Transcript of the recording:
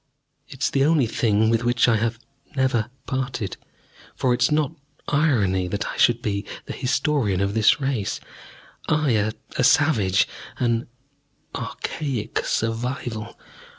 It is the only thing with which I have never parted. For is it not irony that I should be the historian of this race I, a savage, an "archaic survival?"